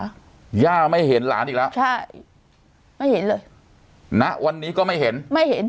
ย่าไม่เห็นหลานอีกแล้วใช่ไม่เห็นเลยณวันนี้ก็ไม่เห็นไม่เห็น